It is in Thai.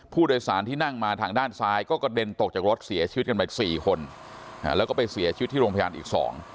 ผู้โดยสารที่นั่งมาทางด้านซ้ายก็กระเด็นตกจากรถเสียชีวิตกันไปสี่คนแล้วก็ไปเสียชีวิตที่โรงพยาบาลอีก๒